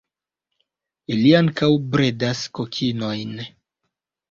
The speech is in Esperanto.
Ili ankaŭ bredas kokinojn.